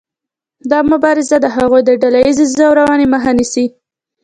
دا مبارزه د هغوی د ډله ایزې ځورونې مخه نیسي.